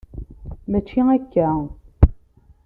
Mačči akka.